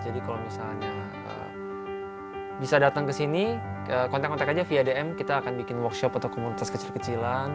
jadi kalau misalnya bisa datang kesini kontak kontak aja via dm kita akan bikin workshop atau komunitas kecil kecilan